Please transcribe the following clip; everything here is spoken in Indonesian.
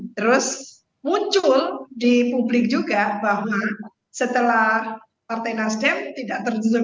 terus muncul di publik juga bahwa setelah partai nasdem tidak terjun